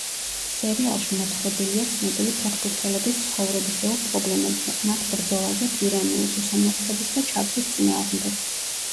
სერიალში მოთხრობილია ცნობილი ფეხბურთელების ცხოვრებისეულ პრობლემებზე, მათ ბრძოლაზე ტირანიის, უსამართლობის და ჩაგვრის წინააღმდეგ.